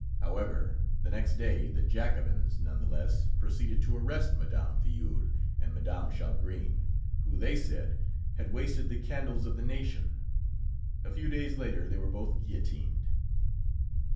However, the next day the Jacobins none the less proceeded to arrest Mme. Filleul and Mme. Chalgrin, who, they said, had wasted the candles of the nation. A few days later they were both guillotined.